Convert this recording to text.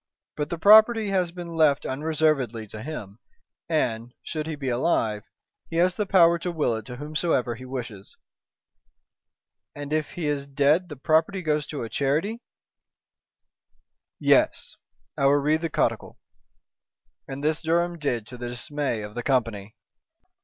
But the property has been left unreservedly to him, and, should he be alive, he has the power to will it to whomsoever he wishes." "And if he is dead the property goes to a charity." "Yes! I will read the codicil!" and this Durham did to the dismay of the company.